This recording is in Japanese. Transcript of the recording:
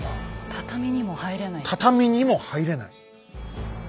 畳にも入れない！